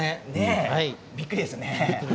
びっくりでしたね。